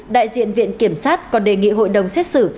đại diện viện kiểm sát còn đề nghị hội đồng xét xử